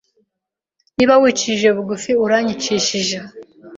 Niba wicishije bugufi uranyicishije